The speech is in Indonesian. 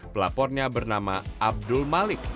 pelapornya bernama abdul malik